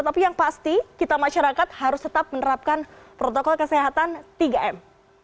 tapi yang pasti kita masyarakat harus tetap menerapkan protokol kesehatan tiga m